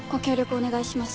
お願いします。